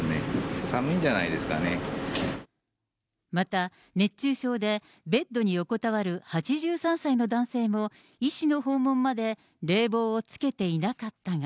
また熱中症でベッドに横たわる８３歳の男性も、医師の訪問まで、冷房をつけていなかったが。